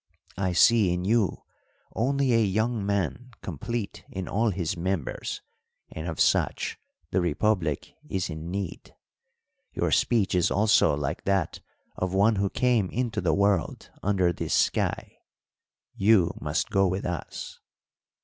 I see in you only a young man complete in all his members, and of such the republic is in need. Your speech is also like that of one who came into the world under this sky. You must go with us."